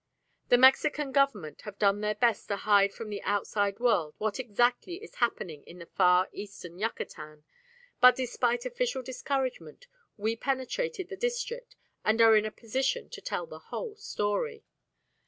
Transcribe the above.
The Mexican Government have done their best to hide from the outside world what exactly is happening in far Eastern Yucatan, but despite official discouragement we penetrated the district and are in a position to tell the whole story.